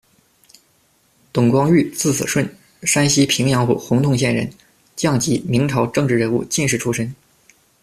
董光裕，字子顺，山西平阳府洪洞县人，匠籍，明朝政治人物、进士出身。